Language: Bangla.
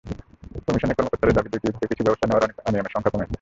কমিশনের কর্মকর্তাদের দাবি, দ্বিতীয় ধাপে কিছু ব্যবস্থা নেওয়ায় অনিয়মের সংখ্যা কমেছে।